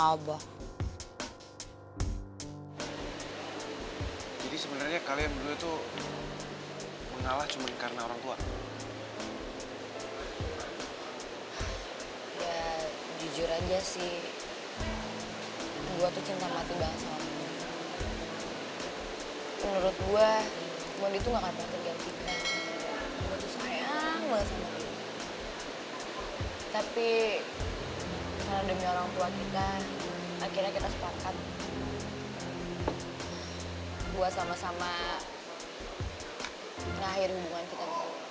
lo duk sendirian lahir mana